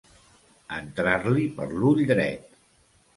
Entrar-li per l'ull dret.